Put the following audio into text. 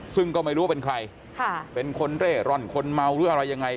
ซึ่งก็ไม่รู้ว่าเป็นใครเป็นคนเร่ร่อนคนเมาหรืออะไรยังไง